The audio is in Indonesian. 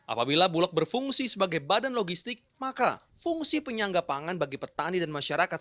apabila bulog berfungsi sebagai badan logistik maka fungsi penyangga pangan bagi petani dan masyarakat